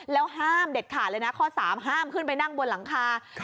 แล้วห้ามเด็ดขาดเลยนะข้อ๓ห้ามขึ้นไปนั่งบนหลังคา